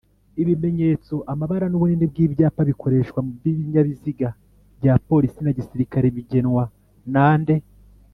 ibimenyetso ,amabara n’ubunini bw’ibyapa bikoreshwa binyabiziga bya police na gisirikare bigenwa nande